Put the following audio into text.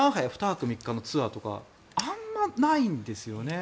２泊３日のツアーとかあまりないんですよね。